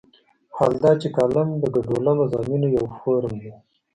حال دا چې کالم د ګډوله مضامینو یو فورم دی.